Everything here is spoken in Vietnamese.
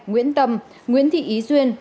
nguyễn tâm nguyễn thị ý duyên